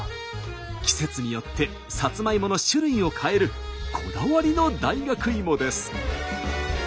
季節によってさつまいもの種類を変えるこだわりの大学芋です。